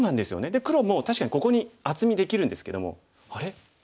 で黒も確かにここに厚みできるんですけども「あれ？